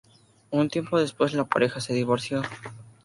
Un tiempo despues, la pareja se divorció.